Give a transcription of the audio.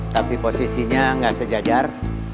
tapi posisinya gak sejajar